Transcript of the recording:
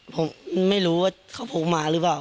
ผมไม่รู้ว่าเขาพกมาหรือเปล่า